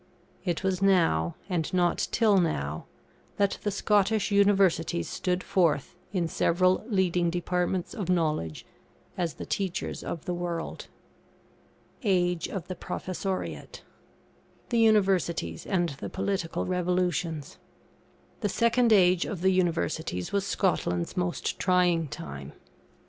It was now, and not till now, that the Scottish Universities stood forth, in several leading departments of knowledge, as the teachers of the world. [AGE OF THE PROFESSORIATE.] THE UNIVERSITIES AND THE POLITICAL REVOLUTIONS. The second age of the Universities was Scotland's most trying time.